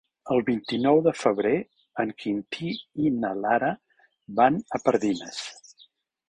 El vint-i-nou de febrer en Quintí i na Lara van a Pardines.